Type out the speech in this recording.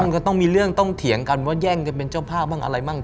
ก็ต้องมีเรื่องต้องเถียงกันว่าแย่งกันเป็นเจ้าภาพบ้างอะไรบ้าง